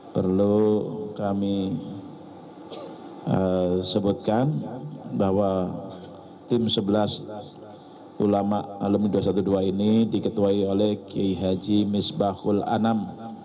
perlu kami sebutkan bahwa tim sebelas ulama alumni dua ratus dua belas ini diketuai oleh ki haji misbahul anam